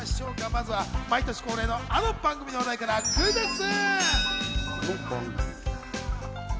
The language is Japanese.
まずは毎年恒例のあの番組の話題からクイズッス。